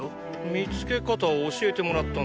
見つけ方を教えてもらったんだよ。